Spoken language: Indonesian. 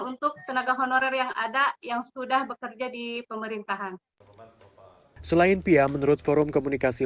untuk tenaga honorer yang ada yang sudah bekerja di pemerintahan selain pia menurut forum komunikasi